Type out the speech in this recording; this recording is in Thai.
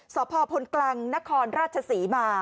สพพลกรังนครราชศรีมา